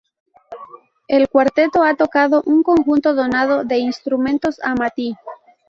El cuarteto ha tocado un conjunto donado de instrumentos Amati.